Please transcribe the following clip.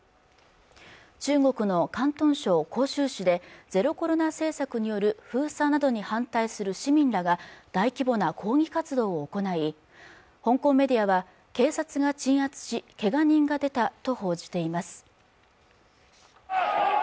中国の広東省広州市でゼロコロナ政策による封鎖などに反対する市民らが大規模な抗議活動を行い香港メディアは警察が鎮圧しけが人が出たと報じています